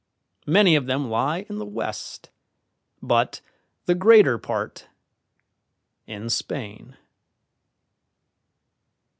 Many of them lie in the west, but the greater part in Spain.